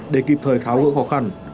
để kịp thời kháo gỡ khó khăn